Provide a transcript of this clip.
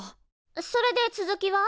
それで続きは？